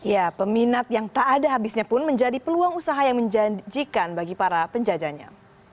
ya peminat yang tak ada habisnya pun menjadi peluang usaha yang menjanjikan bagi para penjajahnya